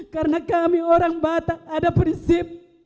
karena kami orang batak ada prinsip